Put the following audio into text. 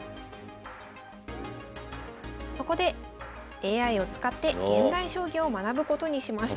そこでＡＩを使って現代将棋を学ぶことにしました。